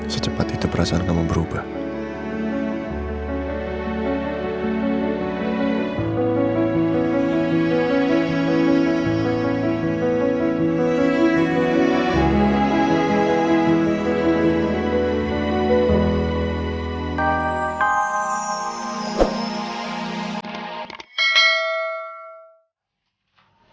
secepat itu perasaan kamu berubah